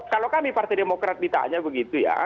kalau kami partai demokrat ditanya begitu ya